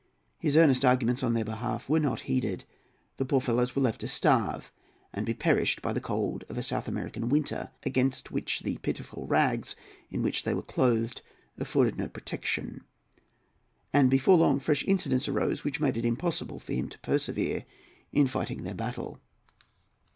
His earnest arguments on their behalf were not heeded. The poor fellows were left to starve and be perished by the cold of a South American winter, against which the pitiful rags in which they were clothed afforded no protection. And before long fresh incidents arose which made it impossible for him to persevere in fighting their battle.